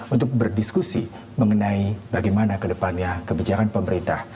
untuk berdiskusi mengenai bagaimana ke depannya kebijakan pemerintah